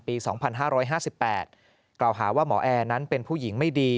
ปีสองพันห้าร้อยห้าสิบแปดกล่าวหาว่าหมอแอร์นั้นเป็นผู้หญิงไม่ดี